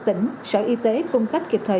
tỉnh sở y tế cung cấp kịp thời